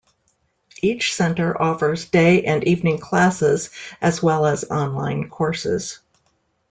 Each center offers day and evening classes as well as online courses.